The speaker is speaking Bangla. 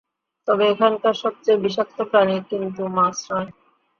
তবে এখানকার সবচেয়ে বিষাক্ত প্রাণী কিন্তু মাছ নয়।